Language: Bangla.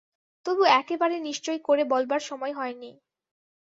তবু একেবারে নিশ্চয় করে বলবার সময় হয় নি।